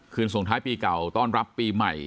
ส่งท้ายปีเก่าต้อนรับปีใหม่